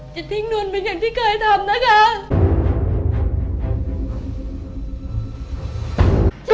อย่าทิ้งหนูเป็นอย่างที่เคยทำนะคะ